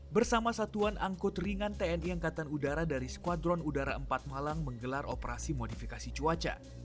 bersama satuan angkut ringan tni angkatan udara dari skuadron udara empat malang menggelar operasi modifikasi cuaca